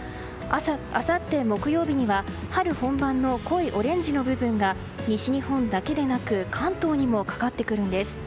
あさって、木曜日には春本番の、濃いオレンジの部分が西日本だけでなく関東にもかかってくるんです。